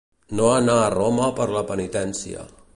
No anar a Roma per la penitència.